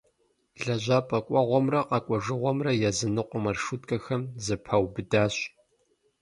Лэжьапӏэ кӏуэгъуэмрэ къэкӏуэжыгъуэмрэ языныкъуэ маршруткэхэр зэпэубыдащ.